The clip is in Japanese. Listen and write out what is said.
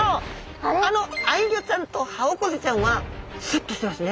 あのアイギョちゃんとハオコゼちゃんはすっとしてますね。